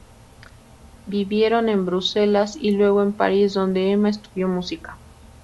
Vivieron en Bruselas y luego en París, donde Emma estudió música.